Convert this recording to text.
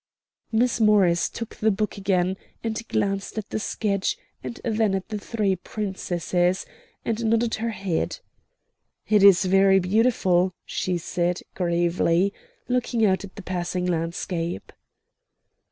Miss Morris took the book again, and glanced at the sketch, and then at the three Princesses, and nodded her head. "It is very beautiful," she said, gravely, looking out at the passing landscape.